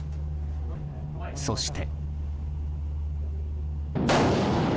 そして。